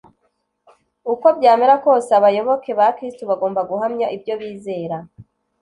uko byamera kose, abayoboke ba kristo bagomba guhamya ibyo bizera